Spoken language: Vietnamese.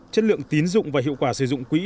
chất lượng tín dụng và hiệu quả sử dụng quỹ